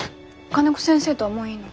金子先生とはもういいの？